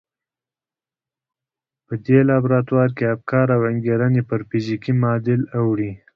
په دې لابراتوار کې افکار او انګېرنې پر فزيکي معادل اوړي.